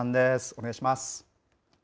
お願いします。